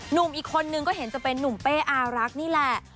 หนุ่มอีกคนนึงก็เห็นจะเป็นนุ่มเป้อารักนี่แหละ